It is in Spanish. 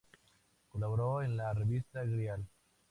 Colaboró en la revista "Grial".